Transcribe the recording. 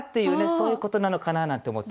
そういうことなのかななんて思ってね。